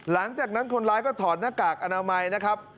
หลังจากนั้นคนร้ายก็ถอดหน้ากากอนามัยนะครับ